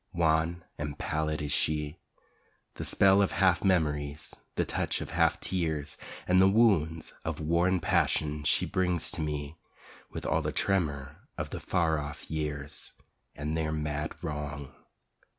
Wan and pallid is she. The spell of half memories, the touch of half tears, And the wounds of worn passions she brings to me With all the tremor of the far off years And their mad wrong.